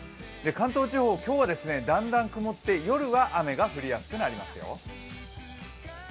関東地方、今日はだんだん曇って夜は雨が降りやすくなりますよ。